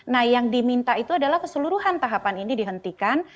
nah yang diminta itu adalah keseluruhan tahapan ini dihentikan